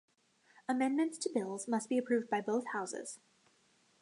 Amendments to bills must be approved by both houses.